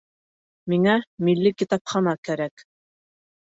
Миңә милли китапхана кәрәк